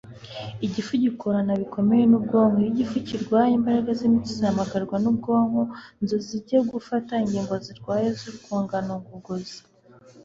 igifu gikorana bikomeye n'ubwonko; iyo igifu kirwaye, imbaraga z'imitsi zihamagarwa n'ubwonko nzo zijye gufasha ingingo zirwaye z'urwungano ngogozi